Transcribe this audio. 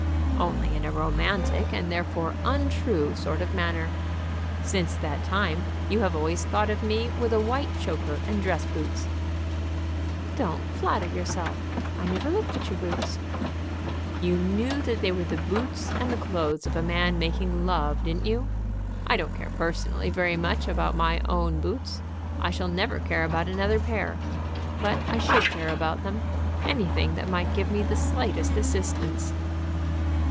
"Only in a romantic and therefore untrue sort of manner. Since that time you have always thought of me with a white choker and dress boots." "Don't flatter yourself; I never looked at your boots." "You knew that they were the boots and the clothes of a man making love, didn't you? I don't care personally very much about my own boots: I never shall care about another pair; but I should care about them. Anything that might give me the slightest assistance."